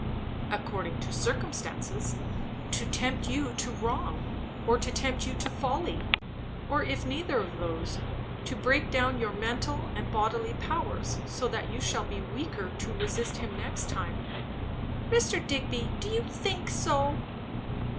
"According to circumstances. To tempt you to wrong, or to tempt you to folly; or if neither of those, to break down your mental and bodily powers, so that you shall be weaker to resist him next time." "Mr. Digby do you think so?"